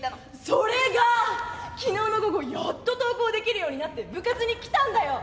それが昨日の午後やっと登校できるようになって部活に来たんだよ。